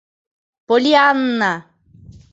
Поллианна!